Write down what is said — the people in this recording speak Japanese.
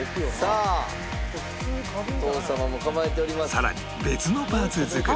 さらに別のパーツ作り